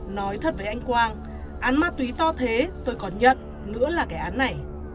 nói thật với anh quang án ma túy to thế tôi còn nhận nữa là cái án này